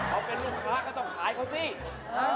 เขาเป็นลูกค้าก็ต้องขายเขาสิ